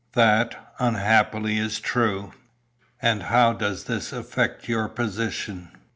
"That, unhappily, is true." "And how does this affect your position?"